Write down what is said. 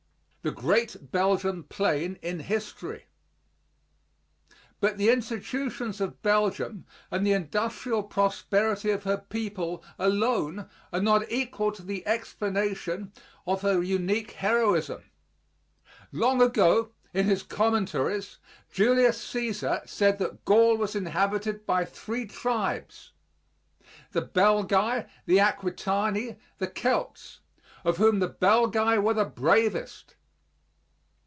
THE GREAT BELGIUM PLAIN IN HISTORY But the institutions of Belgium and the industrial prosperity of her people alone are not equal to the explanation of her unique heroism. Long ago, in his Commentaries, Julius Cæsar said that Gaul was inhabited by three tribes, the Belgæ, the Aquitani, the Celts, "of whom the Belgæ were the bravest."